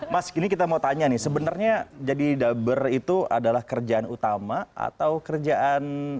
mas ini kita mau tanya nih sebenarnya jadi dubber itu adalah kerjaan utama atau kerjaan